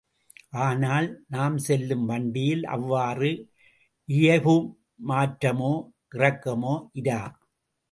ஆனால், நாம் செல்லும் வண்டியில் அவ்வாறு இயைபு மாற்றமோ இறக்கமோ இரா.